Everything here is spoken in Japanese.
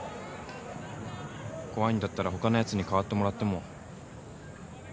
怖いんだったら他のやつに代わってもらっても。